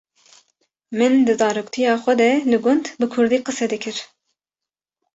Min di zaroktiya xwe de li gund bi Kurdî qise dikir.